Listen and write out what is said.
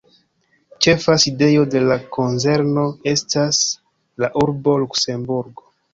Ĉefa sidejo de la konzerno estas la urbo Luksemburgo.